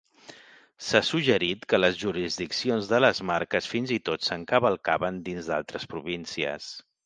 S'ha suggerit que les jurisdiccions de les marques fins i tot s'encavalcaven dins d'altres províncies.